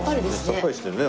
さっぱりしてるね